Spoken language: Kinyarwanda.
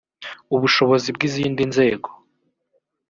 ubushobozi bw izindi nzego